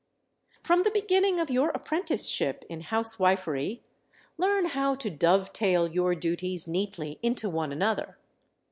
From the beginning of your apprenticeship in housewifery, learn how to "dovetail" your duties neatly into one another.